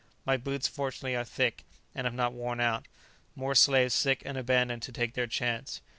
My boots fortunately are thick, and have not worn out. More slaves sick and abandoned to take their chance.